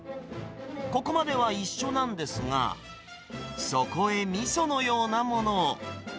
ここまでは一緒なんですが、そこへ、みそのようなものを。